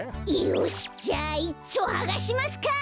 よしじゃいっちょはがしますか。